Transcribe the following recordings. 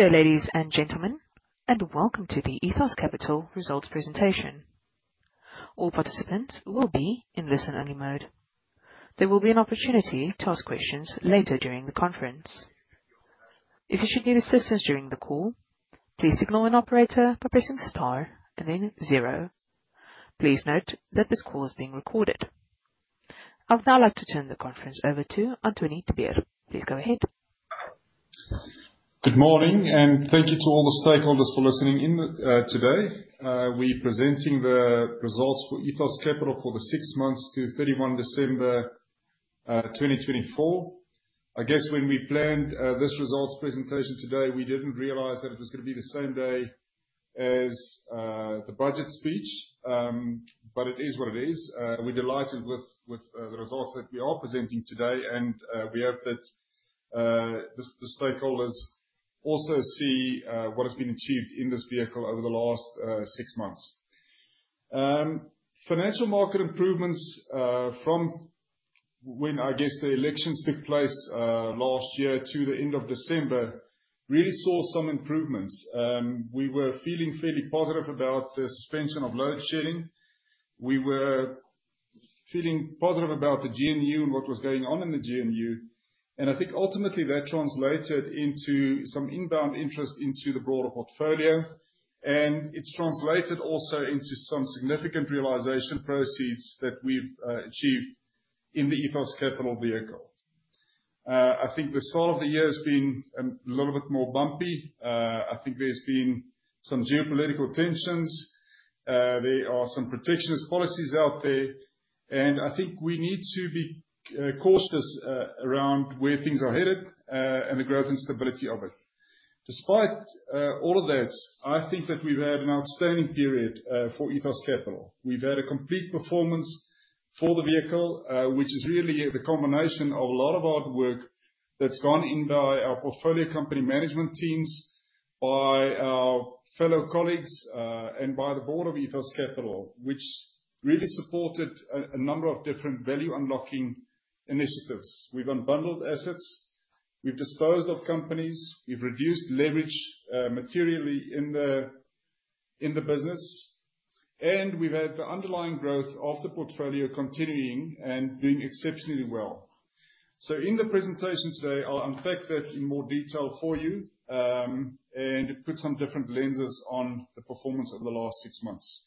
Good day, ladies and gentlemen, welcome to the Ethos Capital results presentation. All participants will be in listen-only mode. There will be an opportunity to ask questions later during the conference. If you should need assistance during the call, please signal an operator by pressing star and then zero. Please note that this call is being recorded. I would now like to turn the conference over to Antonie du Toit. Please go ahead. Good morning, thank you to all the stakeholders for listening in today. We're presenting the results for Ethos Capital for the six months to 31 December 2024. I guess when we planned this results presentation today, we didn't realize that it was gonna be the same day as the budget speech. It is what it is. We're delighted with the results that we are presenting today, we hope that the stakeholders also see what has been achieved in this vehicle over the last six months. Financial market improvements from when, I guess, the elections took place last year to the end of December, really saw some improvements. We were feeling fairly positive about the suspension of load shedding. We were feeling positive about the GNU and what was going on in the GNU. I think ultimately that translated into some inbound interest into the broader portfolio. It's translated also into some significant realization proceeds that we've achieved in the Ethos Capital vehicle. I think the start of the year has been a little bit more bumpy. I think there's been some geopolitical tensions. There are some protectionist policies out there. I think we need to be cautious around where things are headed, and the growth and stability of it. Despite all of that, I think that we've had an outstanding period for Ethos Capital. We've had a complete performance for the vehicle, which is really the combination of a lot of hard work that's gone in by our portfolio company management teams, by our fellow colleagues, and by the board of Ethos Capital, which really supported a number of different value-unlocking initiatives. We've unbundled assets, we've disposed of companies, we've reduced leverage materially in the business, we've had the underlying growth of the portfolio continuing and doing exceptionally well. In the presentation today, I'll unpack that in more detail for you, put some different lenses on the performance over the last six months.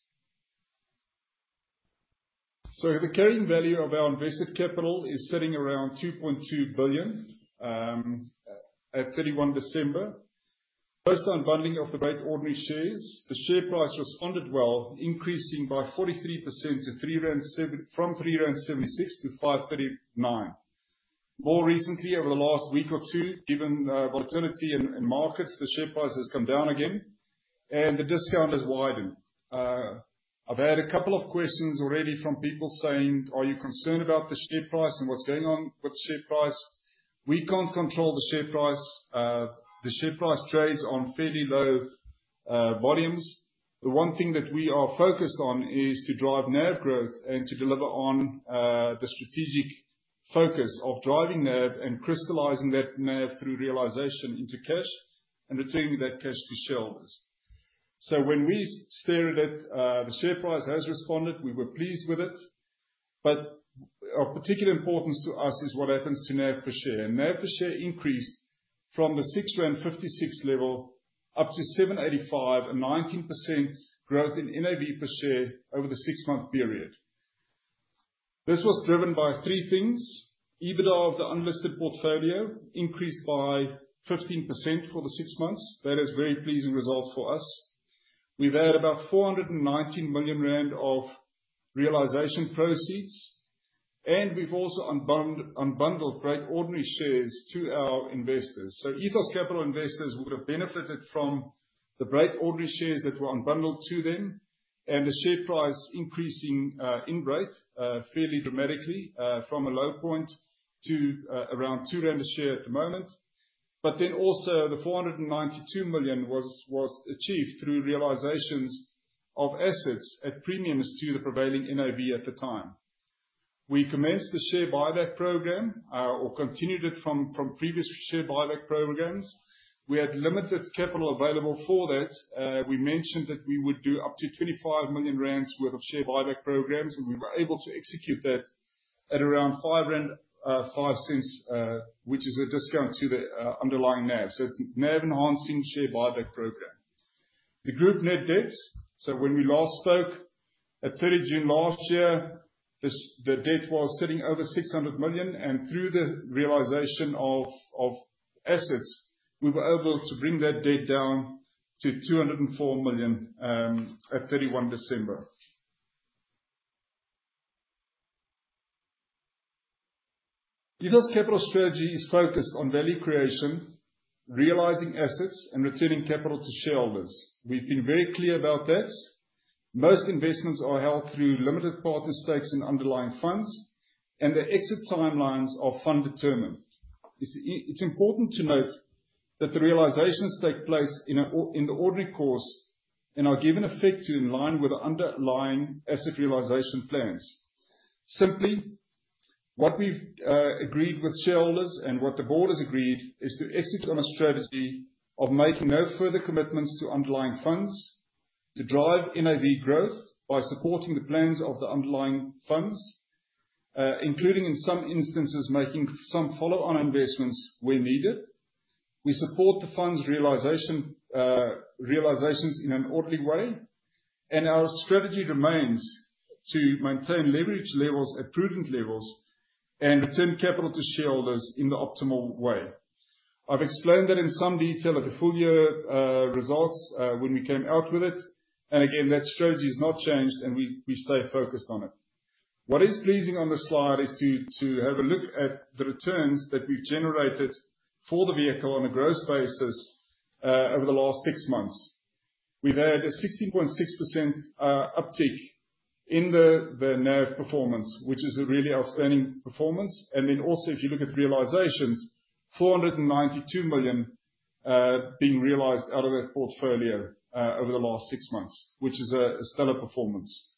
The carrying value of our invested capital is sitting around 2.2 billion at 31 December. Post unbundling of the Brait ordinary shares, the share price responded well, increasing by 43% from 3.76 rand to 5.39. More recently, over the last week or two, given volatility in markets, the share price has come down again and the discount has widened. I've had a couple of questions already from people saying, "Are you concerned about the share price and what's going on with the share price?" We can't control the share price. The share price trades on fairly low volumes. The one thing that we are focused on is to drive NAV growth and to deliver on the strategic focus of driving NAV and crystallizing that NAV through realization into cash and returning that cash to shareholders. When we stared at the share price has responded, we were pleased with it. But of particular importance to us is what happens to NAV per share. NAV per share increased from the 6.56 level up to 7.85, a 19% growth in NAV per share over the six-month period. This was driven by three things. EBITDA of the unlisted portfolio increased by 15% for the six months. That is very pleasing results for us. We've had about 419 million rand of realization proceeds, and we've also unbundled Brait ordinary shares to our investors. Ethos Capital investors would have benefited from the Brait ordinary shares that were unbundled to them and the share price increasing, in Brait, fairly dramatically, from a low point to around 2 rand a share at the moment. Also the 492 million was achieved through realizations of assets at premiums to the prevailing NAV at the time. We commenced the share buyback program, or continued it from previous share buyback programs. We had limited capital available for that. We mentioned that we would do up to 25 million rand worth of share buyback programs, and we were able to execute that at around 5.05 rand, which is a discount to the underlying NAV. It's NAV enhancing share buyback program. The group net debts. When we last spoke at 30 June last year, the debt was sitting over 600 million, and through the realization of assets, we were able to bring that debt down to 204 million, at 31 December. Ethos Capital strategy is focused on value creation, realizing assets, and returning capital to shareholders. We've been very clear about that. Most investments are held through limited partner stakes in underlying funds, and the exit timelines are fund determined. It's important to note that the realizations take place in the ordinary course and are given effect to in line with underlying asset realization plans. Simply, what we've agreed with shareholders and what the board has agreed is to execute on a strategy of making no further commitments to underlying funds, to drive NAV growth by supporting the plans of the underlying funds, including, in some instances, making some follow-on investments where needed. We support the fund's realizations in an orderly way, our strategy remains to maintain leverage levels at prudent levels and return capital to shareholders in the optimal way. I've explained that in some detail at the full year results when we came out with it, again, that strategy has not changed and we stay focused on it. What is pleasing on this slide is to have a look at the returns that we've generated for the vehicle on a gross basis over the last six months. We've had a 16.6% uptick in the NAV performance, which is a really outstanding performance. Also, if you look at realizations, 492 million being realized out of that portfolio over the last six months, which is a stellar performance.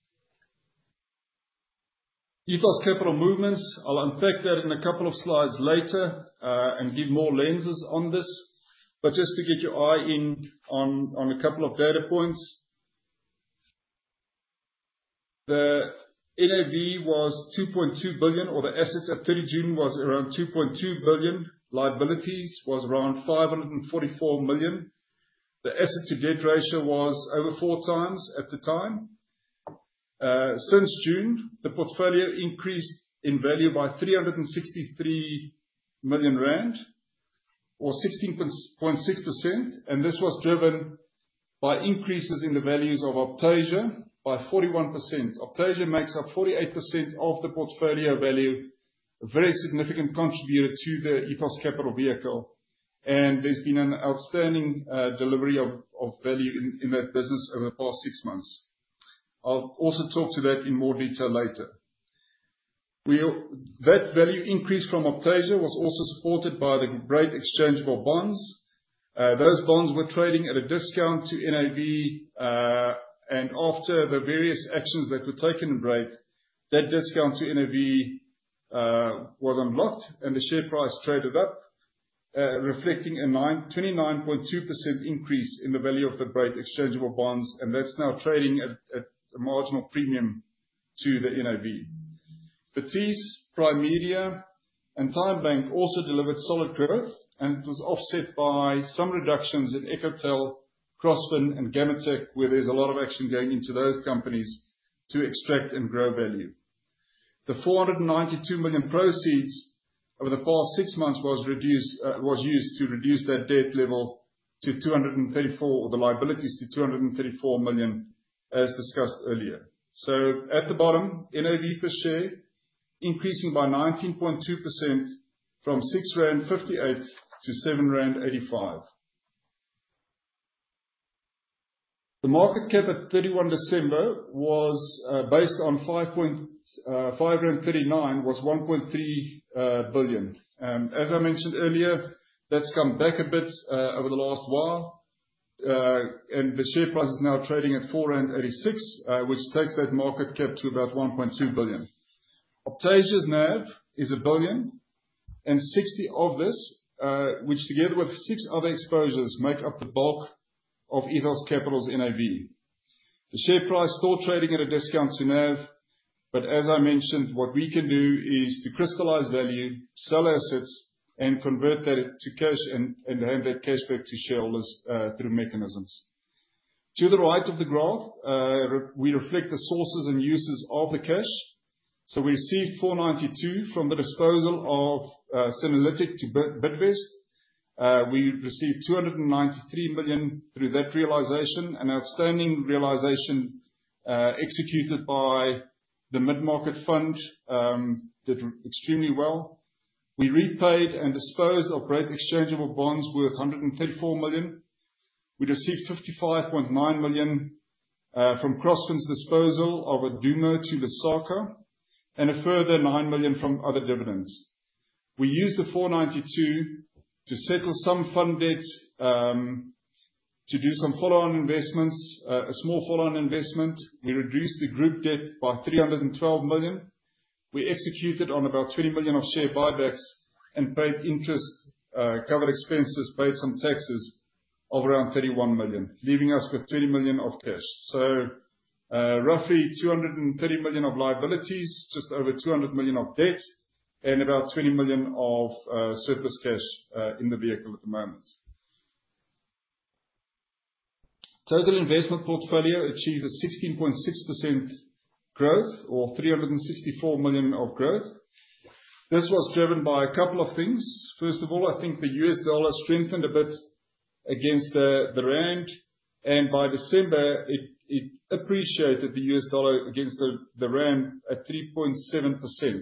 Ethos Capital Movements. I'll unpack that in a couple of slides later, and give more lenses on this. Just to get your eye in on a couple of data points. The NAV was 2.2 billion, or the assets at 30 June were around 2.2 billion. Liabilities were around 544 million. The asset to debt ratio was over four times at the time. Since June, the portfolio increased in value by 363 million rand or 16.6%. This was driven by increases in the values of Optasia by 41%. Optasia makes up 48% of the portfolio value, a very significant contributor to the Ethos Capital vehicle, and there's been an outstanding delivery of value in that business over the past six months. I'll also talk to that in more detail later. That value increase from Optasia was also supported by the Brait exchangeable bonds. Those bonds were trading at a discount to NAV. After the various actions that were taken in Brait, that discount to NAV was unlocked. The share price traded up, reflecting a 29.2% increase in the value of the Brait exchangeable bonds, and that's now trading at a marginal premium to the NAV. Vertice, Primedia, and TymeBank also delivered solid growth and it was offset by some reductions in Ecotel, Crossfin, and Gammatek, where there's a lot of action going into those companies to extract and grow value. The 492 million proceeds over the past six months were used to reduce their debt level to 234 million, or the liabilities to 234 million, as discussed earlier. At the bottom, NAV per share increasing by 19.2% from ZAR 6.58 to ZAR 7.85. The market cap at 31 December was based on 5.39 was 1.3 billion. As I mentioned earlier, that's come back a bit over the last while, and the share price is now trading at 4.86, which takes that market cap to about 1.2 billion. Optasia's NAV is 1.06 billion of this, which together with six other exposures, make up the bulk of Ethos Capital's NAV. The share price still trading at a discount to NAV. As I mentioned, what we can do is to crystallize value, sell assets, and convert that into cash and hand that cash back to shareholders through mechanisms. To the right of the graph, we reflect the sources and uses of the cash. We received 492 million from the disposal of Synerlytic to Bidvest. We received 293 million through that realization, an outstanding realization executed by the mid-market fund, did extremely well. We repaid and disposed of Brait exchangeable bonds worth 134 million. We received 55.9 million from Crossfin's disposal of Adumo to Lesaka, and a further 9 million from other dividends. We used the 492 million to settle some fund debt, to do some follow-on investments, a small follow-on investment. We reduced the group debt by 312 million. We executed on about 20 million of share buybacks and paid interest, covered expenses, paid some taxes of around 31 million, leaving us with 30 million of cash. Roughly 230 million of liabilities, just over 200 million of debt, and about 20 million of surplus cash in the vehicle at the moment. Total investment portfolio achieved a 16.6% growth or 364 million of growth. This was driven by a couple of things. First of all, I think the U.S. dollar strengthened a bit against the ZAR, and by December it appreciated the U.S. dollar against the ZAR at 3.7%.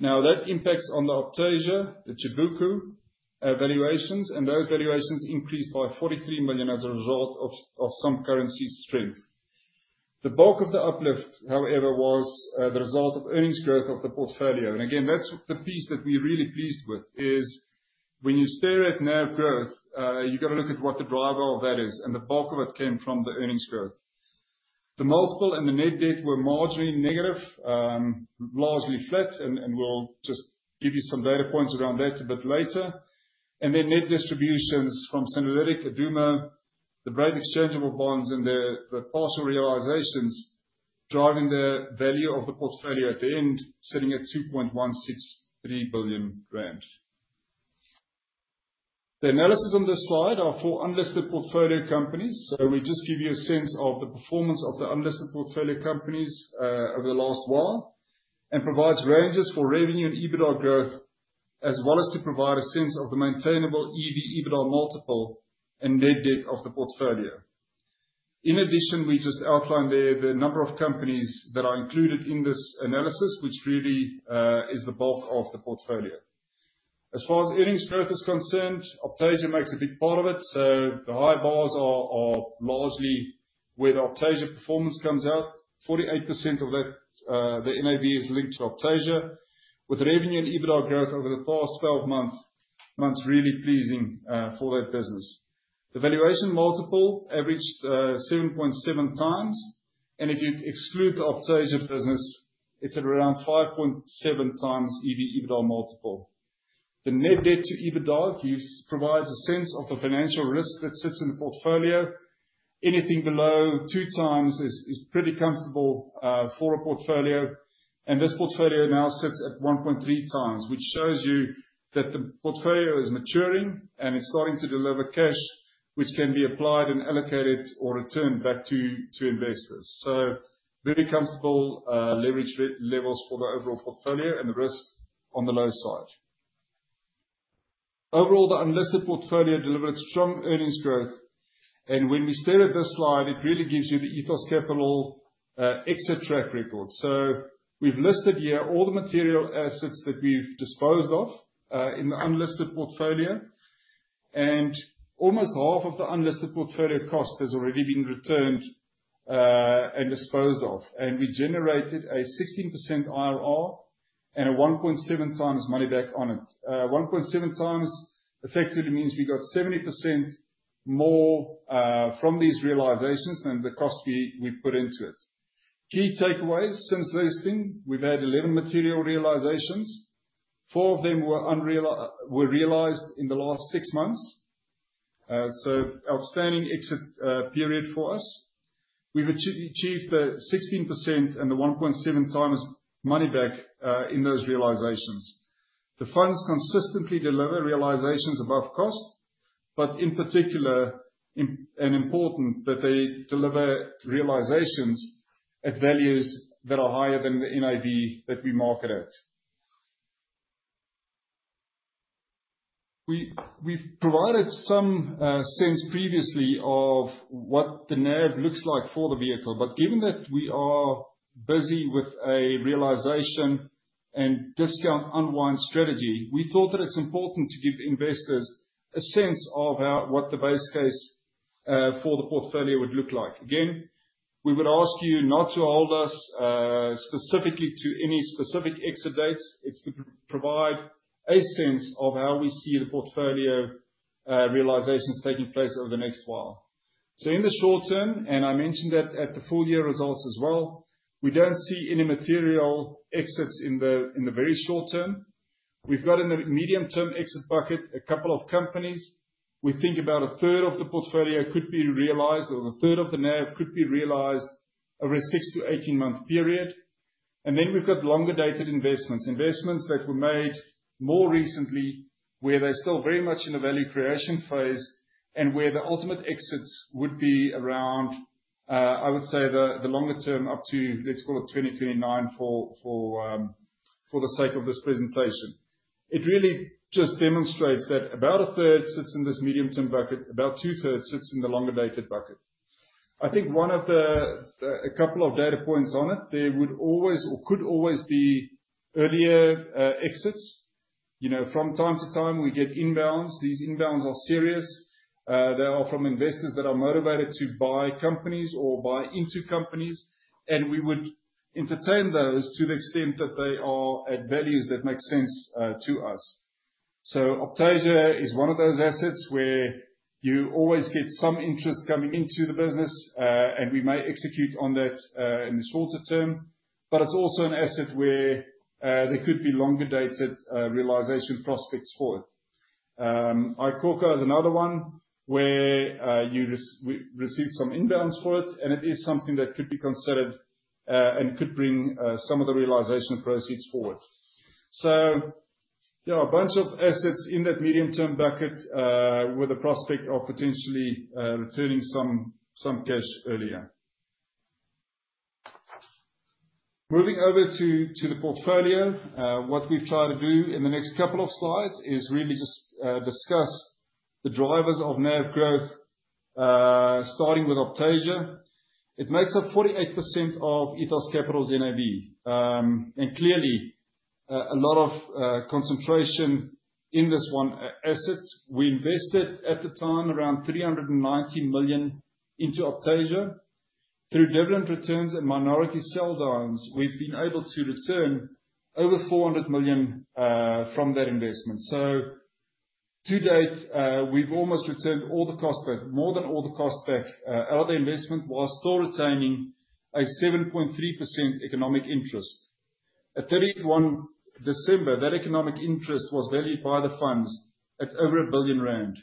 That impacts on the Optasia, the Tsibuku valuations, and those valuations increased by 43 million as a result of some currency strength. The bulk of the uplift, however, was the result of earnings growth of the portfolio. Again, that's the piece that we're really pleased with, is when you stare at NAV growth, you've got to look at what the driver of that is, and the bulk of it came from the earnings growth. The multiple and the net debt were marginally negative, largely flat, and we'll just give you some data points around that a bit later. Then net distributions from Synerlytic, Adumo, the Brait exchangeable bonds, and the partial realizations driving the value of the portfolio at the end, sitting at 2.163 billion rand. The analysis on this slide are for unlisted portfolio companies. We just give you a sense of the performance of the unlisted portfolio companies over the last while, and provides ranges for revenue and EBITDA growth, as well as to provide a sense of the maintainable EV/EBITDA multiple and net debt of the portfolio. In addition, we just outlined there the number of companies that are included in this analysis, which really is the bulk of the portfolio. As far as earnings growth is concerned, Optasia makes a big part of it. The high bars are largely where the Optasia performance comes out. 48% of the NAV is linked to Optasia, with revenue and EBITDA growth over the past 12 months really pleasing for that business. The valuation multiple averaged 7.7x, and if you exclude the Optasia business, it's at around 5.7x EV/EBITDA multiple. The net debt to EBITDA provides a sense of the financial risk that sits in the portfolio. Anything below two times is pretty comfortable for a portfolio. This portfolio now sits at 1.3x, which shows you that the portfolio is maturing and it's starting to deliver cash which can be applied and allocated or returned back to investors. Very comfortable leverage levels for the overall portfolio and the risk on the low side. Overall, the unlisted portfolio delivered strong earnings growth. When we stare at this slide, it really gives you the Ethos Capital exit track record. We've listed here all the material assets that we've disposed of in the unlisted portfolio, and almost half of the unlisted portfolio cost has already been returned, and disposed of. We generated a 16% IRR and a 1.7x money back on it. 1.7x effectively means we got 70% more from these realizations than the cost we put into it. Key takeaways. Since listing, we've had 11 material realizations. 4 of them were realized in the last 6 months. Outstanding exit period for us. We've achieved the 16% and the 1.7x money back, in those realizations. The funds consistently deliver realizations above cost, but in particular and important that they deliver realizations at values that are higher than the NAV that we market at. We've provided some sense previously of what the NAV looks like for the vehicle. Given that we are busy with a realization and discount unwind strategy, we thought that it's important to give investors a sense of what the base case for the portfolio would look like. Again, we would ask you not to hold us specifically to any specific exit dates. It's to provide a sense of how we see the portfolio realizations taking place over the next while. In the short term, I mentioned that at the full year results as well, we don't see any material exits in the very short term. We've got in the medium term exit bucket a couple of companies. We think about a third of the portfolio could be realized, or a third of the NAV could be realized over a six to 18-month period. Then we've got longer-dated investments. Investments that were made more recently, where they're still very much in the value creation phase and where the ultimate exits would be around, I would say the longer term, up to, let's call it 2029 for the sake of this presentation. It really just demonstrates that about a third sits in this medium-term bucket. About two-thirds sits in the longer-dated bucket. I think a couple of data points on it. There could always be earlier exits. From time to time, we get inbounds. These inbounds are serious. They are from investors that are motivated to buy companies or buy into companies, and we would entertain those to the extent that they are at values that make sense to us. Optasia is one of those assets where you always get some interest coming into the business. We may execute on that in the shorter term, but it's also an asset where there could be longer-dated realization prospects for it. iKhokha is another one where we received some inbounds for it, and it is something that could be considered, and could bring some of the realization proceeds forward. There are a bunch of assets in that medium-term bucket, with the prospect of potentially returning some cash earlier. Moving over to the portfolio. What we've tried to do in the next couple of slides is really just discuss the drivers of NAV growth, starting with Optasia. It makes up 48% of Ethos Capital's NAV. Clearly, a lot of concentration in this one asset. We invested at the time around 390 million into Optasia. Through dividend returns and minority sell downs, we've been able to return over 400 million from that investment. To date, we've almost returned all the cost back. More than all the cost back. Our investment, while still retaining a 7.3% economic interest. At 31 December, that economic interest was valued by the funds at over 1 billion rand.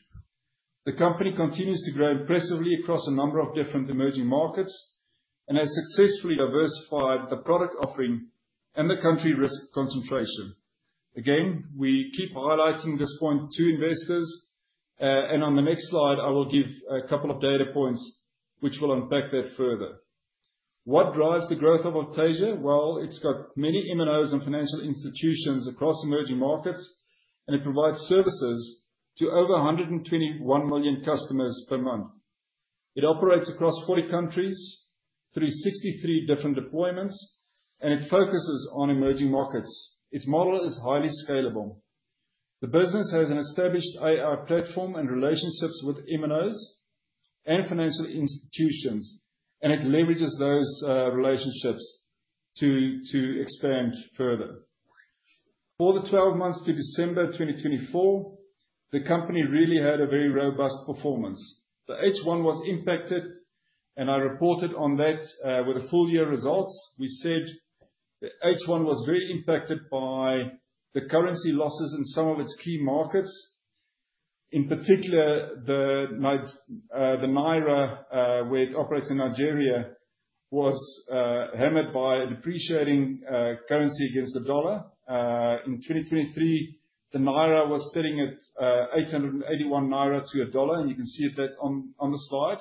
The company continues to grow impressively across a number of different emerging markets and has successfully diversified the product offering and the country risk concentration. Again, we keep highlighting this point to investors, on the next slide, I will give a couple of data points which will unpack that further. What drives the growth of Optasia? It's got many MNOs and financial institutions across emerging markets, and it provides services to over 121 million customers per month. It operates across 40 countries, through 63 different deployments, and it focuses on emerging markets. Its model is highly scalable. The business has an established AI platform and relationships with MNOs and financial institutions, and it leverages those relationships to expand further. For the 12 months to December 2024, the company really had a very robust performance. The H1 was impacted, I reported on that with the full year results. H1 was very impacted by the currency losses in some of its key markets. In particular, the naira where it operates in Nigeria, was hammered by a depreciating currency against the USD. In 2023, the naira was sitting at 881 naira to a USD, and you can see that on the slide.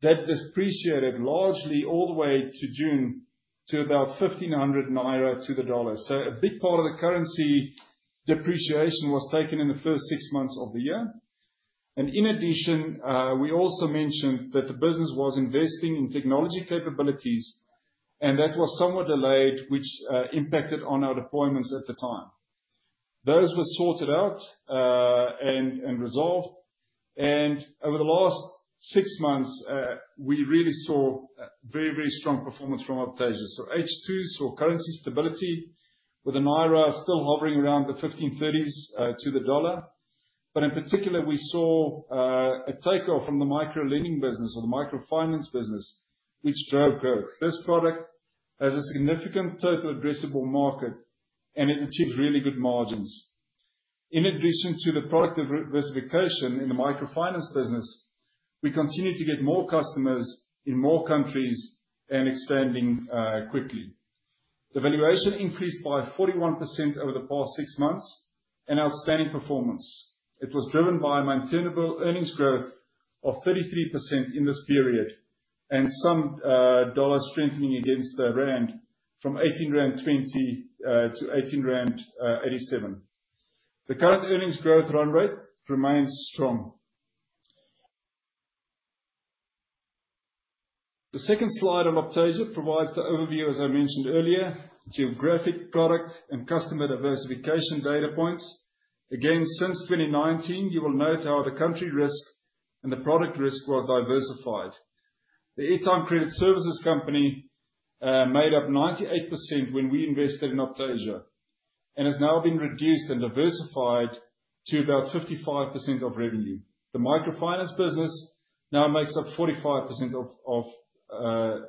That depreciated largely all the way to June to about 1,500 naira to the USD. A big part of the currency depreciation was taken in the first six months of the year. In addition, we also mentioned that the business was investing in technology capabilities, and that was somewhat delayed, which impacted on our deployments at the time. Those were sorted out and resolved. Over the last six months, we really saw very strong performance from Optasia. H2 saw currency stability with the naira still hovering around the 1,530s to the USD. In particular, we saw a takeoff from the micro-lending business or the microfinance business, which drove growth. This product has a significant total addressable market and it achieved really good margins. In addition to the product diversification in the microfinance business, we continue to get more customers in more countries and expanding quickly. The valuation increased by 41% over the past six months, an outstanding performance. It was driven by maintainable earnings growth of 33% in this period and some USD strengthening against the ZAR from 18.20 rand to 18.87 rand. The current earnings growth run rate remains strong. The second slide on Optasia provides the overview, as I mentioned earlier, geographic product and customer diversification data points. Again, since 2019, you will note how the country risk and the product risk were diversified. The Airtime Credit Services company made up 98% when we invested in Optasia and has now been reduced and diversified to about 55% of revenue. The microfinance business now makes up 45% of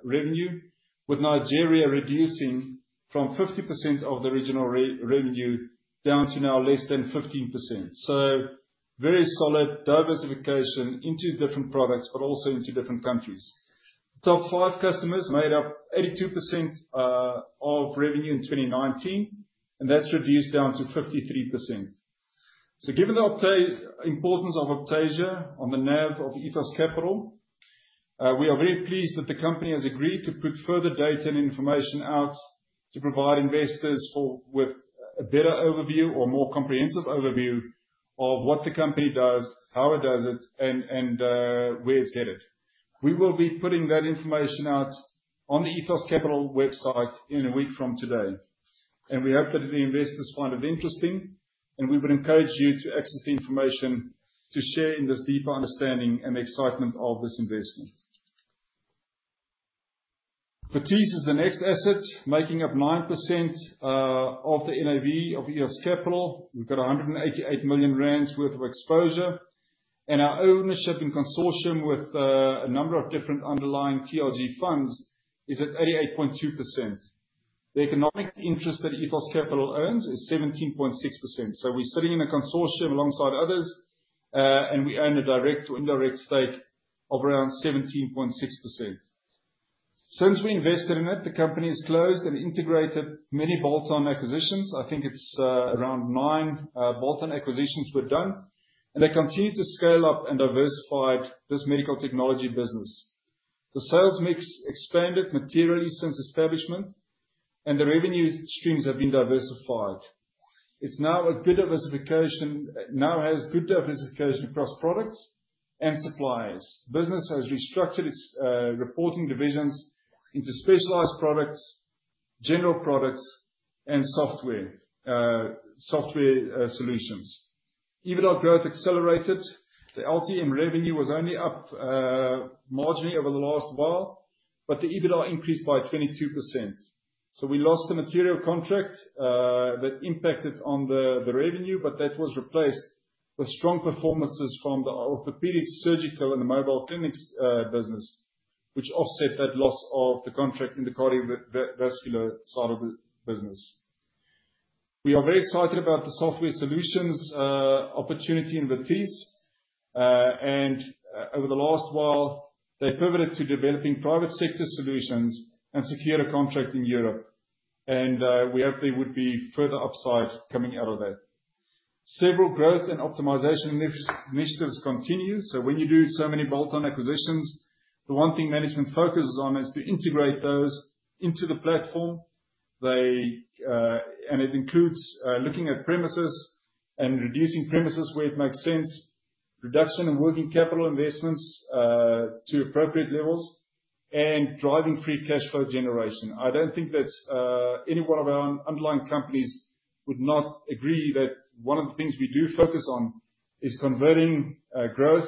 revenue, with Nigeria reducing from 50% of the regional revenue down to now less than 15%. Very solid diversification into different products, but also into different countries. The top five customers made up 82% of revenue in 2019, and that's reduced down to 53%. Given the importance of Optasia on the NAV of Ethos Capital, we are very pleased that the company has agreed to put further data and information out to provide investors with a better overview or more comprehensive overview of what the company does, how it does it and where it's headed. We will be putting that information out on the Ethos Capital website in a week from today, and we hope that the investors find it interesting, and we would encourage you to access the information to share in this deeper understanding and excitement of this investment. Vertice is the next asset, making up 9% of the NAV of Ethos Capital. We've got 188 million rand worth of exposure, and our ownership in consortium with a number of different underlying TRG funds is at 88.2%. The economic interest that Ethos Capital owns is 17.6%. We're sitting in a consortium alongside others, and we own a direct or indirect stake of around 17.6%. Since we invested in it, the company has closed and integrated many bolt-on acquisitions. I think it's around nine bolt-on acquisitions were done, and they continue to scale up and diversify this medical technology business. The sales mix expanded materially since establishment, and the revenue streams have been diversified. It now has good diversification across products and suppliers. Business has restructured its reporting divisions into specialized products, general products, and software solutions. EBITDA growth accelerated. The LTM revenue was only up marginally over the last while, but the EBITDA increased by 22%. We lost a material contract that impacted on the revenue, but that was replaced with strong performances from the orthopedic surgical and the mobile clinics business, which offset that loss of the contract in the cardiovascular side of the business. We are very excited about the software solutions opportunity in Vertice, and over the last while, they pivoted to developing private sector solutions and secured a contract in Europe. We hope there would be further upside coming out of that. Several growth and optimization initiatives continue. When you do so many bolt-on acquisitions, the one thing management focuses on is to integrate those into the platform. It includes looking at premises and reducing premises where it makes sense, reduction in working capital investments to appropriate levels, and driving free cash flow generation. I don't think that any one of our underlying companies would not agree that one of the things we do focus on is converting growth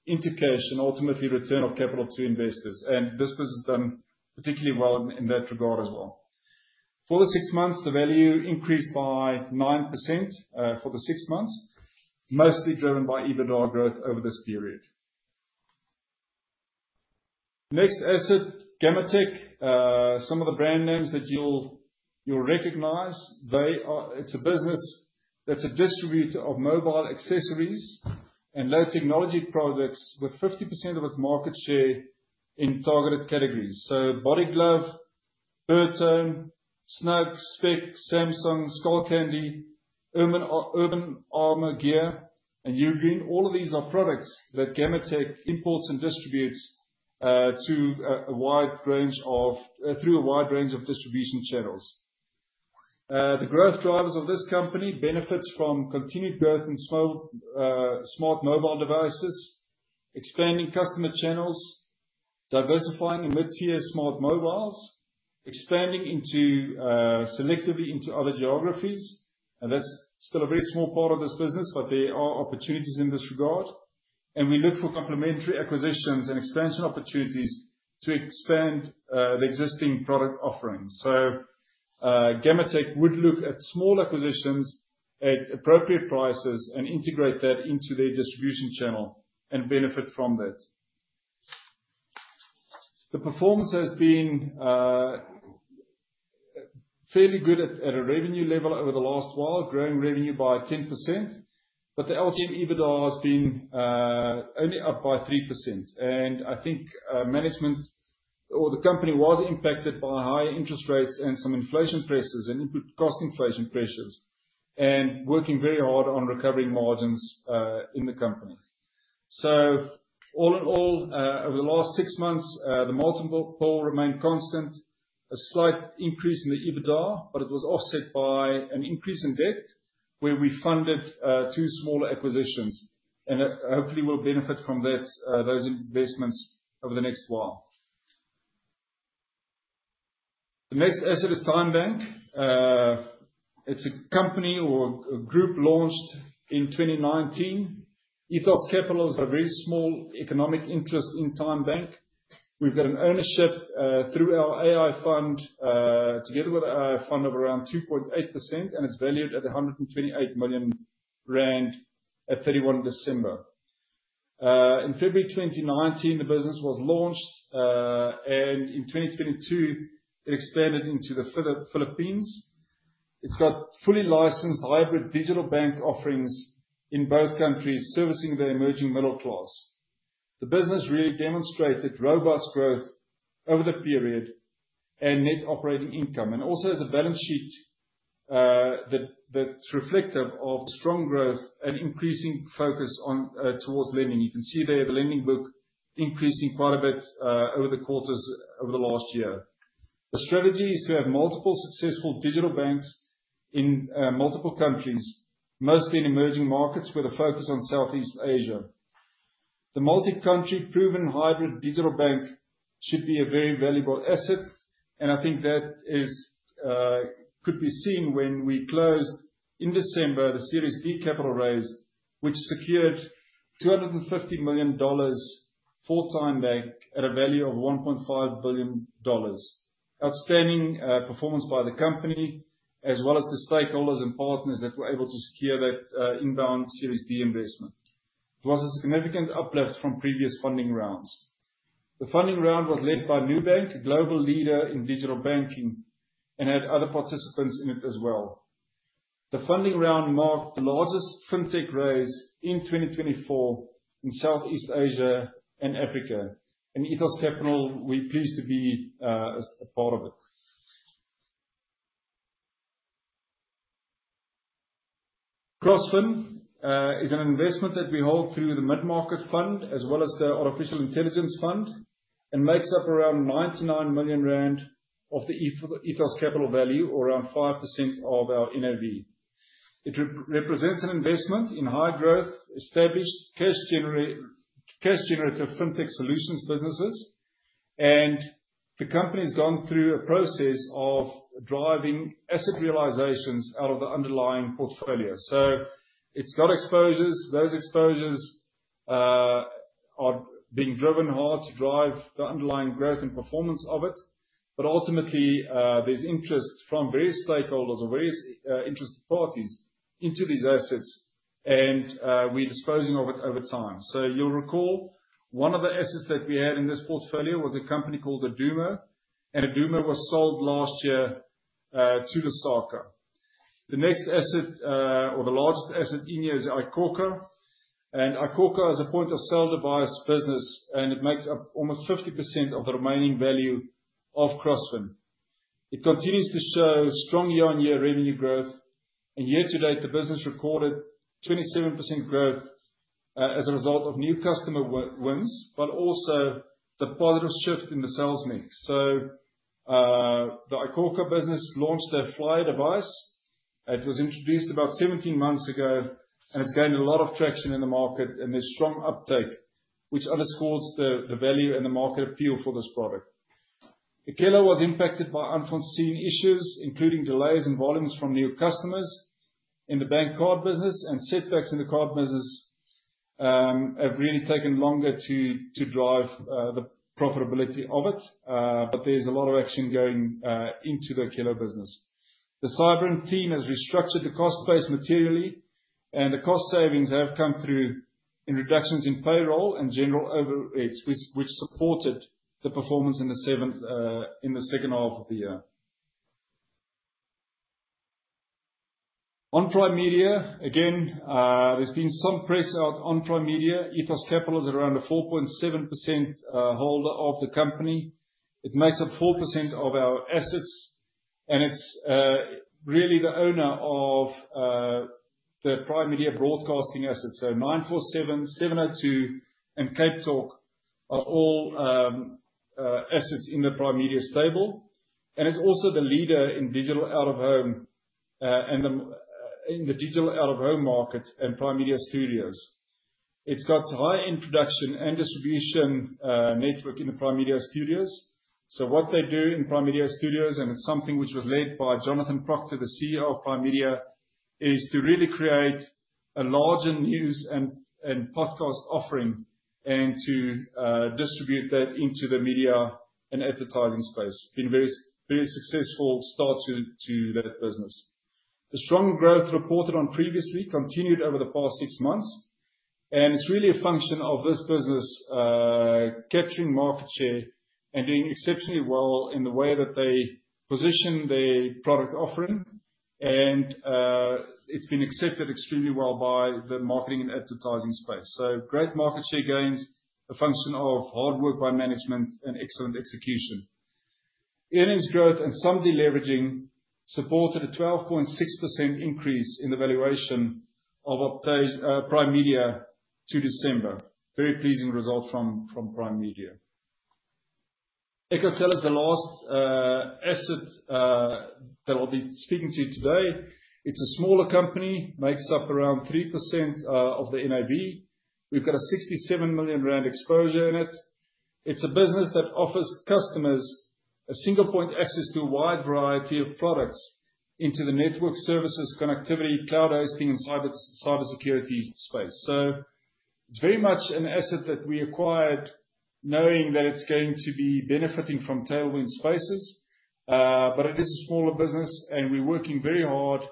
EBITDA into cash and ultimately return of capital to investors. This business has done particularly well in that regard as well. For the six months, the value increased by 9% for the six months, mostly driven by EBITDA growth over this period. Next asset, Gammatek. Some of the brand names that you'll recognize. It's a business that's a distributor of mobile accessories and low technology products with 50% of its market share in targeted categories. Body Glove, Burton, Snug, Speck, Samsung, Skullcandy, Urban Armor Gear, and UGREEN. All of these are products that Gammatek imports and distributes through a wide range of distribution channels. The growth drivers of this company benefits from continued growth in smart mobile devices, expanding customer channels, diversifying in mid-tier smart mobiles, expanding selectively into other geographies. That's still a very small part of this business, but there are opportunities in this regard, and we look for complementary acquisitions and expansion opportunities to expand the existing product offerings. Gammatek would look at small acquisitions at appropriate prices and integrate that into their distribution channel and benefit from that. The performance has been fairly good at a revenue level over the last while, growing revenue by 10%, but the LTM EBITDA has been only up by 3%. I think management or the company was impacted by high interest rates and some inflation pressures and input cost inflation pressures, and working very hard on recovering margins in the company. All in all, over the last six months, the multiple remained constant. A slight increase in the EBITDA, but it was offset by an increase in debt, where we funded two smaller acquisitions. Hopefully we'll benefit from those investments over the next while. The next asset is TymeBank. It's a company or a group launched in 2019. Ethos Capital has a very small economic interest in TymeBank. We've got an ownership through our AI fund, together with our fund of around 2.8%, and it's valued at 128 million rand at 31 December. In February 2019, the business was launched, and in 2022, it expanded into the Philippines. It's got fully licensed hybrid digital bank offerings in both countries, servicing the emerging middle class. The business really demonstrated robust growth over the period and net operating income, and also has a balance sheet that's reflective of strong growth and increasing focus towards lending. You can see there the lending book increasing quite a bit over the quarters over the last year. The strategy is to have multiple successful digital banks in multiple countries, mostly in emerging markets with a focus on Southeast Asia. The multi-country proven hybrid digital bank should be a very valuable asset, and I think that could be seen when we closed in December, the Series D capital raise, which secured $250 million for TymeBank at a value of $1.5 billion. Outstanding performance by the company, as well as the stakeholders and partners that were able to secure that inbound Series D investment. It was a significant uplift from previous funding rounds. The funding round was led by Nubank, a global leader in digital banking, and had other participants in it as well. The funding round marked the largest fintech raise in 2024 in Southeast Asia and Africa. In Ethos Capital, we're pleased to be a part of it. Crossfin is an investment that we hold through the mid-market fund as well as the artificial intelligence fund and makes up around 99 million rand of the Ethos Capital value or around 5% of our NAV. It represents an investment in high growth, established, cash generative fintech solutions businesses. The company's gone through a process of driving asset realizations out of the underlying portfolio. It's got exposures. Those exposures are being driven hard to drive the underlying growth and performance of it. Ultimately, there's interest from various stakeholders and various interested parties into these assets, and we're disposing of it over time. You'll recall, one of the assets that we had in this portfolio was a company called Adumo, and Adumo was sold last year to Lesaka. The next asset, or the largest asset in here is iKhokha, and iKhokha is a point-of-sale device business, and it makes up almost 50% of the remaining value of Crossfin. It continues to show strong year-on-year revenue growth, and year to date, the business recorded 27% growth, as a result of new customer wins, but also the positive shift in the sales mix. The iKhokha business launched their iK Flyer. It was introduced about 17 months ago, and it's gained a lot of traction in the market and there's strong uptake, which underscores the value and the market appeal for this product. Akelo was impacted by unforeseen issues, including delays in volumes from new customers in the bank card business, and setbacks in the card business have really taken longer to drive the profitability of it. There's a lot of action going into the Akelo business. The Cybrint team has restructured the cost base materially, and the cost savings have come through in reductions in payroll and general overheads, which supported the performance in the second half of the year. On Primedia, again, there's been some press out on Primedia. Ethos Capital is around a 4.7% holder of the company. It makes up 4% of our assets, and it's really the owner of the Primedia broadcasting assets. So 947, 702, and CapeTalk are all assets in the Primedia stable, and it's also the leader in digital out-of-home market and Primedia Studios. It's got high introduction and distribution network in the Primedia Studios. What they do in Primedia Studios, and it's something which was led by Jonathan Procter, the CEO of Primedia, is to really create a larger news and podcast offering and to distribute that into the media and advertising space. It has been a very successful start to that business. The strong growth reported on previously continued over the past 6 months, and it's really a function of this business capturing market share and doing exceptionally well in the way that they position their product offering. It's been accepted extremely well by the marketing and advertising space. Great market share gains, a function of hard work by management and excellent execution. Earnings growth and some deleveraging supported a 12.6% increase in the valuation of Primedia to December. Very pleasing result from Primedia. Ecotel is the last asset that I'll be speaking to you today. It's a smaller company, makes up around 3% of the NAV. We've got a 67 million rand exposure in it. It's a business that offers customers a single point access to a wide variety of products into the network services, connectivity, cloud hosting, and cybersecurity space. It's very much an asset that we acquired knowing that it's going to be benefiting from tailwind spaces. It is a smaller business, and we're working very hard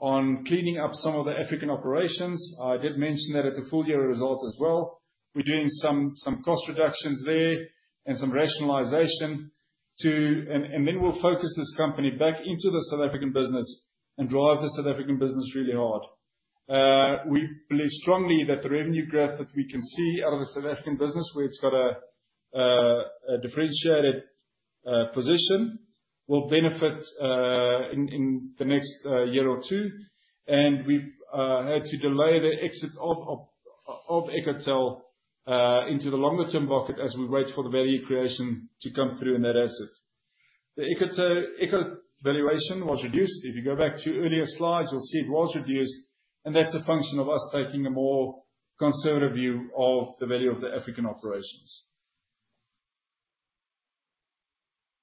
on cleaning up some of the African operations. I did mention that at the full year results as well. We're doing some cost reductions there and some rationalization, then we'll focus this company back into the South African business and drive the South African business really hard. We believe strongly that the revenue growth that we can see out of the South African business, where it's got a differentiated position, will benefit in the next year or two. We've had to delay the exit of Ecotel into the longer term market as we wait for the value creation to come through in that asset. The Ecotel valuation was reduced. If you go back to earlier slides, you'll see it was reduced, and that's a function of us taking a more conservative view of the value of the African operations.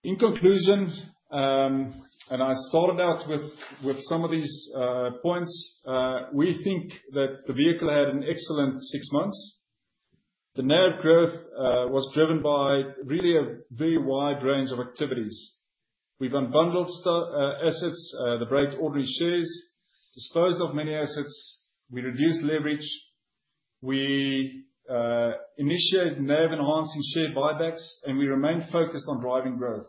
In conclusion, I started out with some of these points. We think that the vehicle had an excellent 6 months. The NAV growth was driven by really a very wide range of activities. We've unbundled assets, the Brait ordinary shares, disposed of many assets. We reduced leverage. We initiate NAV-enhancing share buybacks, and we remain focused on driving growth.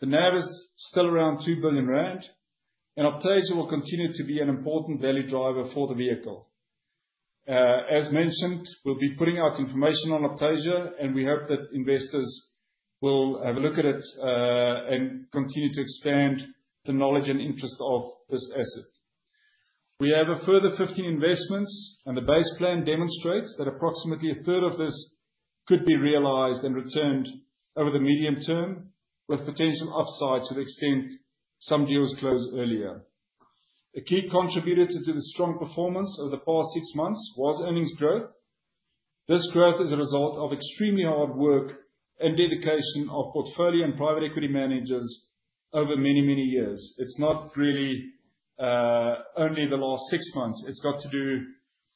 The NAV is still around 2 billion rand, and Optasia will continue to be an important value driver for the vehicle. As mentioned, we'll be putting out information on Optasia, and we hope that investors will have a look at it, and continue to expand the knowledge and interest of this asset. We have a further 50 investments, and the base plan demonstrates that approximately a third of this could be realized and returned over the medium term, with potential upsides to the extent some deals close earlier. A key contributor to the strong performance over the past 6 months was earnings growth. This growth is a result of extremely hard work and dedication of portfolio and private equity managers over many years. It's not really only in the last 6 months. It's got to do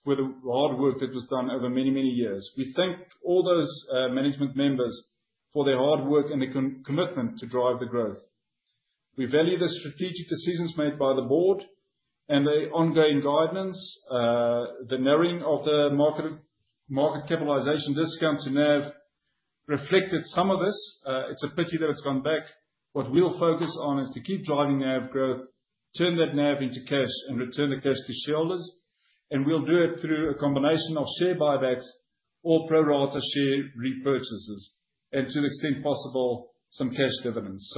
with the hard work that was done over many, many years. We thank all those management members for their hard work and their commitment to drive the growth. We value the strategic decisions made by the board and their ongoing guidance. The narrowing of the market capitalization discount to NAV reflected some of this. It's a pity that it's gone back. What we'll focus on is to keep driving NAV growth, turn that NAV into cash, and return the cash to shareholders. We'll do it through a combination of share buybacks or pro rata share repurchases, and to the extent possible, some cash dividends.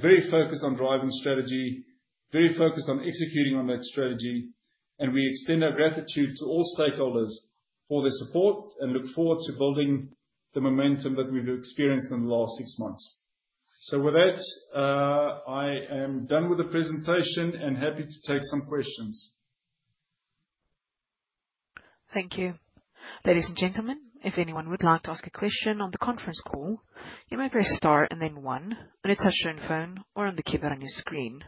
Very focused on driving strategy, very focused on executing on that strategy, and we extend our gratitude to all stakeholders for their support and look forward to building the momentum that we've experienced in the last six months. With that, I am done with the presentation and happy to take some questions. Thank you. Ladies and gentlemen, if anyone would like to ask a question on the conference call, you may press star and then one on your touch-tone phone or on the keypad on your screen.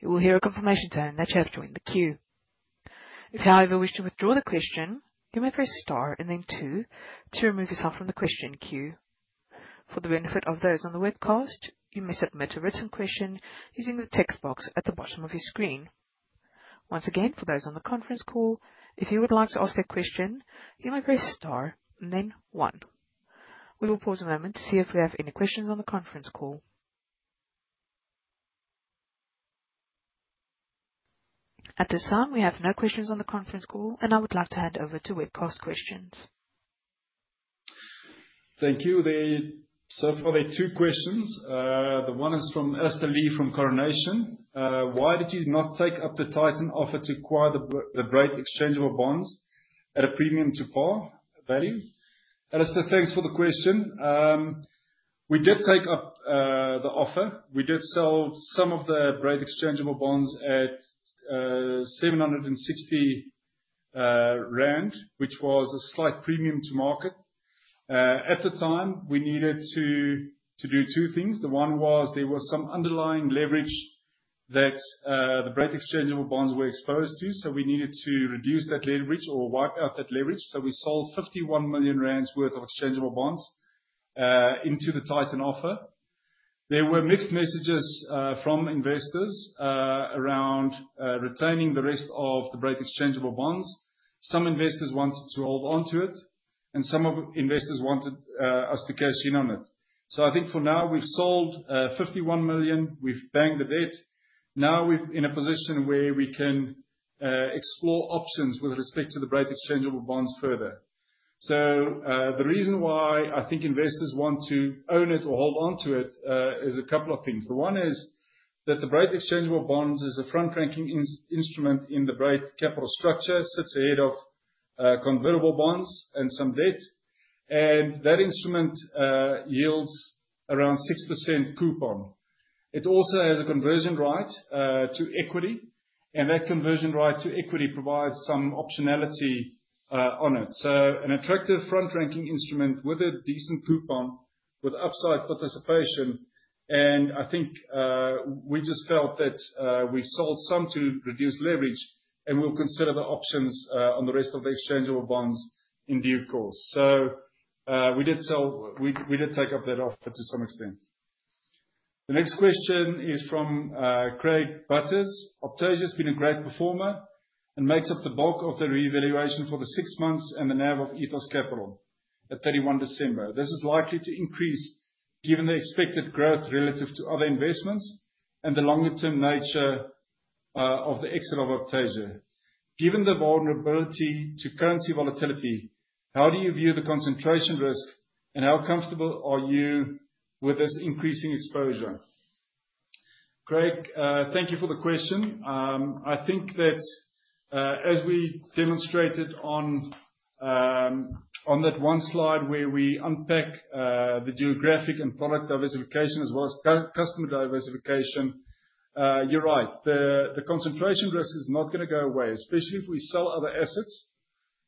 You will hear a confirmation tone that you have joined the queue. If, however, you wish to withdraw the question, you may press star and then two to remove yourself from the question queue. For the benefit of those on the webcast, you may submit your written question using the text box at the bottom of your screen. Once again, for those on the conference call, if you would like to ask a question, you may press star and then one. We will pause a moment to see if we have any questions on the conference call. At this time, we have no questions on the conference call, and I would like to hand over to webcast questions. Thank you. So far there are two questions. The one is from Alistair Lea from Coronation. "Why did you not take up the Titan offer to acquire the Brait Exchangeable Bonds at a premium to par value?" Alistair, thanks for the question. We did take up the offer. We did sell some of the Brait Exchangeable Bonds at 760 rand, which was a slight premium to market. At the time, we needed to do two things. One was there was some underlying leverage that the Brait Exchangeable Bonds were exposed to, so we needed to reduce that leverage or wipe out that leverage. We sold 51 million rand worth of Exchangeable Bonds into the Titan offer. There were mixed messages from investors around retaining the rest of the Brait Exchangeable Bonds. Some investors wanted to hold onto it, and some investors wanted us to cash in on it. I think for now, we've sold 51 million. We've banked the debt. Now we're in a position where we can explore options with respect to the Brait Exchangeable Bonds further. The reason why I think investors want to own it or hold onto it is a couple of things. One is that the Brait Exchangeable Bonds is a front-ranking instrument in the Brait capital structure. It sits ahead of convertible bonds and some debt. That instrument yields around 6% coupon. It also has a conversion right to equity, and that conversion right to equity provides some optionality on it. An attractive front-ranking instrument with a decent coupon, with upside participation, and I think we just felt that we sold some to reduce leverage, and we'll consider the options on the rest of the Exchangeable Bonds in due course. We did take up that offer to some extent. The next question is from Craig Butters. "Optasia has been a great performer and makes up the bulk of the reevaluation for the six months and the NAV of Ethos Capital at 31 December. This is likely to increase given the expected growth relative to other investments and the longer-term nature of the exit of Optasia. Given the vulnerability to currency volatility, how do you view the concentration risk, and how comfortable are you with this increasing exposure?" Craig, thank you for the question. I think that as we demonstrated on that one slide where we unpack the geographic and product diversification as well as customer diversification, you're right. The concentration risk is not going to go away, especially if we sell other assets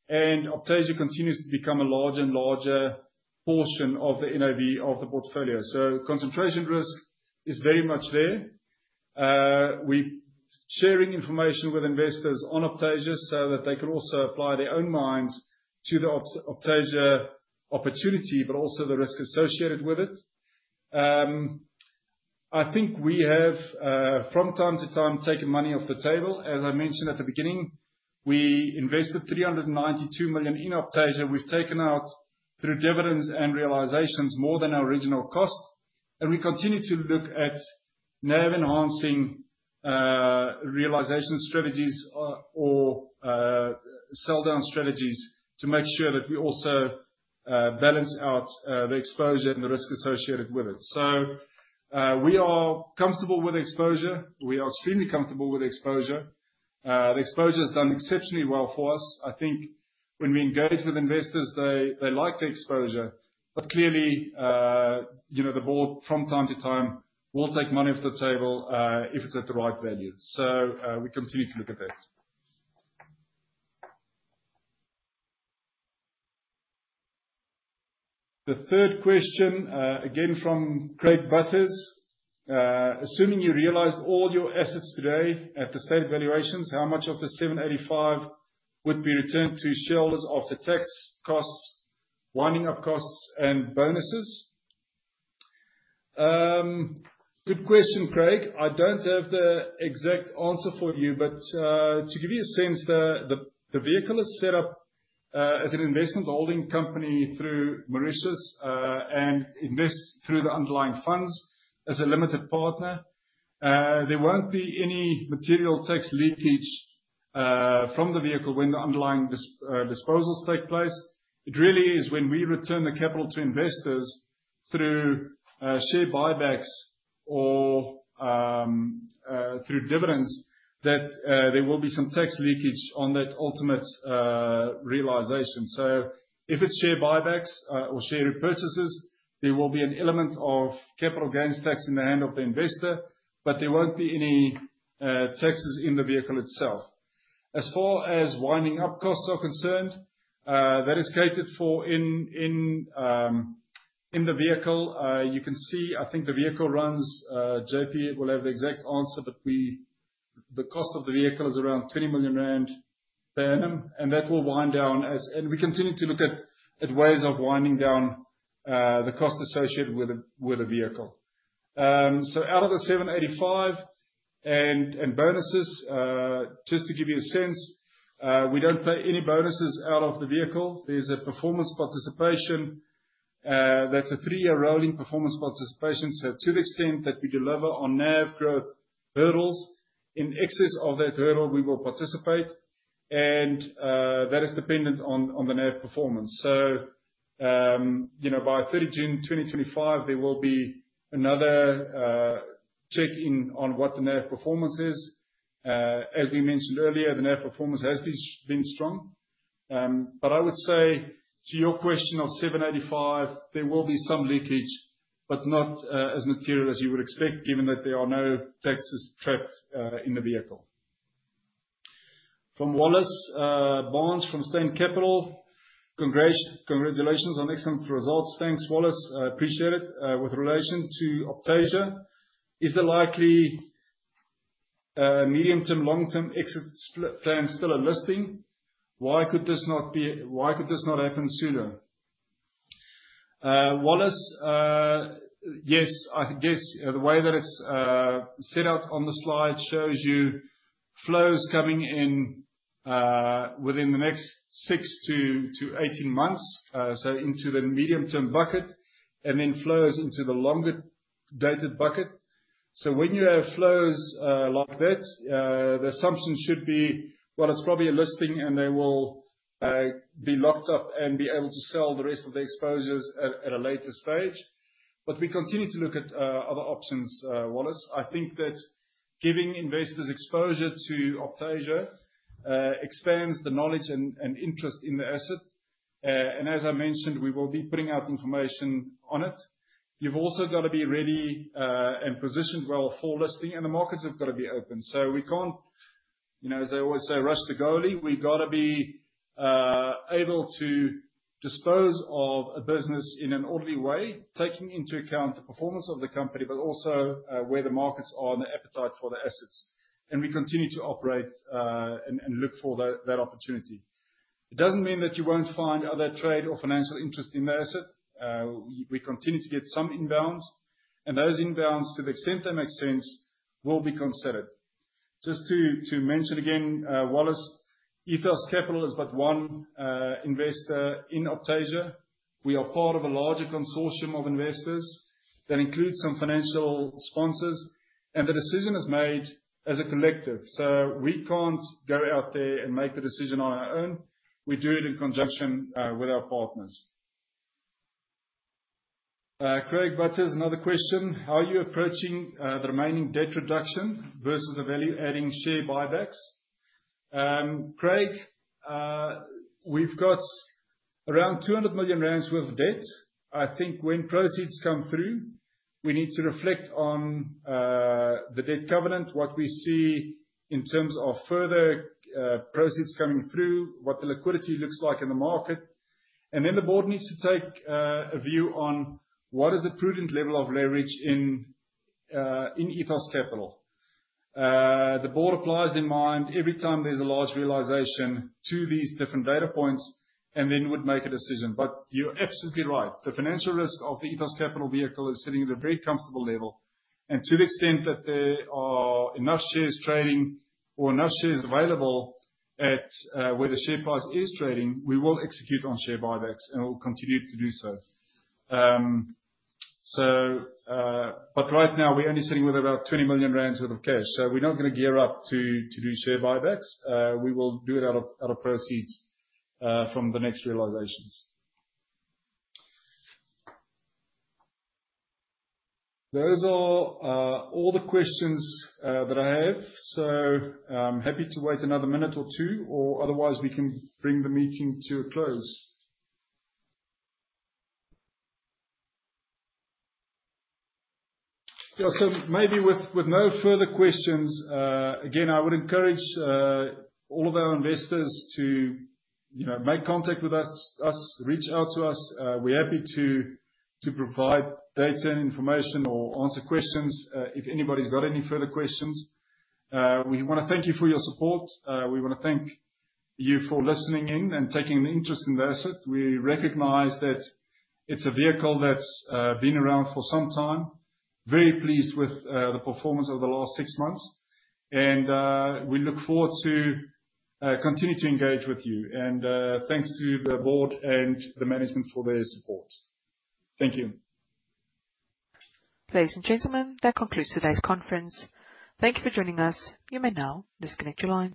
and Optasia continues to become a larger and larger portion of the NAV of the portfolio. The concentration risk is very much there. We're sharing information with investors on Optasia so that they can also apply their own minds to the Optasia opportunity, but also the risk associated with it. I think we have, from time to time, taken money off the table. As I mentioned at the beginning, we invested 392 million in Optasia. We've taken out, through dividends and realizations, more than our original cost. We continue to look at NAV-enhancing realization strategies or sell-down strategies to make sure that we also balance out the exposure and the risk associated with it. We are comfortable with exposure. We are extremely comfortable with exposure. The exposure's done exceptionally well for us. I think when we engage with investors, they like the exposure. Clearly, the board, from time to time, will take money off the table if it's at the right value. We continue to look at that. The third question, again, from Craig Butters. "Assuming you realized all your assets today at the state valuations, how much of the 785 million would be returned to shareholders after tax costs, winding up costs, and bonuses?" Good question, Craig. I don't have the exact answer for you, but to give you a sense, the vehicle is set up as an investment holding company through Mauritius, and invests through the underlying funds as a limited partner. There won't be any material tax leakage from the vehicle when the underlying disposals take place. It really is when we return the capital to investors through share buybacks or through dividends that there will be some tax leakage on that ultimate realization. If it's share buybacks or share repurchases, there will be an element of capital gains tax in the hand of the investor, but there won't be any taxes in the vehicle itself. As far as winding up costs are concerned, that is catered for in the vehicle. You can see, I think the vehicle runs, JP will have the exact answer, but the cost of the vehicle is around 20 million rand per annum, and that will wind down. We continue to look at ways of winding down the cost associated with the vehicle. Out of the 785 million, and bonuses, just to give you a sense, we don't pay any bonuses out of the vehicle. There's a performance participation that's a 3-year rolling performance participation. To the extent that we deliver on NAV growth hurdles, in excess of that hurdle, we will participate. That is dependent on the NAV performance. By 30 June 2025, there will be another check on what the NAV performance is. As we mentioned earlier, the NAV performance has been strong. I would say to your question of 785 million, there will be some leakage, but not as material as you would expect, given that there are no taxes trapped in the vehicle. From Waleed Barnes from Steyn Capital. "Congratulations on excellent results." Thanks, Waleed. I appreciate it. "With relation to Optasia, is the likely medium-term, long-term exit plan still a listing? Why could this not happen sooner?" Waleed, yes. I guess, the way that it's set out on the slide shows you flows coming in within the next 6 to 18 months, into the medium-term bucket, and then flows into the longer-dated bucket. When you have flows like that, the assumption should be, well, it's probably a listing and they will be locked up and be able to sell the rest of the exposures at a later stage. We continue to look at other options, Waleed. I think that giving investors exposure to Optasia expands the knowledge and interest in the asset. As I mentioned, we will be putting out information on it. You've also got to be ready and positioned well for listing, and the markets have got to be open. We can't, as they always say, rush the goalie. We've got to be able to dispose of a business in an orderly way, taking into account the performance of the company, but also where the markets are and the appetite for the assets. We continue to operate and look for that opportunity. It doesn't mean that you won't find other trade or financial interest in the asset. We continue to get some inbounds. Those inbounds, to the extent they make sense, will be considered. Just to mention again, Waleed, Ethos Capital is but one investor in Optasia. We are part of a larger consortium of investors that includes some financial sponsors, and the decision is made as a collective. We can't go out there and make the decision on our own. We do it in conjunction with our partners. Craig Butters, another question. "How are you approaching the remaining debt reduction versus the value-adding share buybacks?" Craig, we've got around 200 million rand worth of debt. I think when proceeds come through, we need to reflect on the debt covenant, what we see in terms of further proceeds coming through, what the liquidity looks like in the market. The board needs to take a view on what is a prudent level of leverage in Ethos Capital. The board applies their mind every time there's a large realization to these different data points, and would make a decision. You're absolutely right. The financial risk of the Ethos Capital vehicle is sitting at a very comfortable level. To the extent that there are enough shares trading or enough shares available at where the share price is trading, we will execute on share buybacks, and we'll continue to do so. Right now, we're only sitting with about 20 million rand worth of cash. We're not going to gear up to do share buybacks. We will do it out of proceeds from the next realizations. Those are all the questions that I have. I'm happy to wait another minute or two, or otherwise, we can bring the meeting to a close. Maybe with no further questions. Again, I would encourage all of our investors to make contact with us, reach out to us. We're happy to provide data and information or answer questions if anybody's got any further questions. We want to thank you for your support. We want to thank you for listening in and taking an interest in the asset. We recognize that it's a vehicle that's been around for some time. Very pleased with the performance over the last six months. We look forward to continue to engage with you. Thanks to the board and the management for their support. Thank you. Ladies and gentlemen, that concludes today's conference. Thank you for joining us. You may now disconnect your lines.